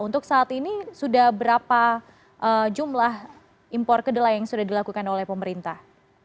untuk saat ini sudah berapa jumlah impor kedelai yang sudah dilakukan oleh pemerintah